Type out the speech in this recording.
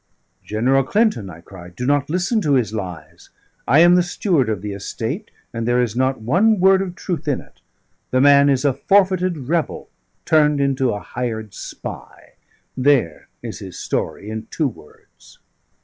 "General Clinton," I cried, "do not listen to his lies. I am the steward of the estate, and there is not one word of truth in it. The man is a forfeited rebel turned into a hired spy: there is his story in two words."